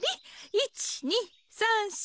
１２３４